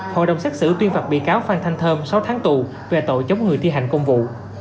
hội đồng xét xử tuyên phạt bị cáo phan thanh thơm sáu tháng tù về tội chống người thi hành công vụ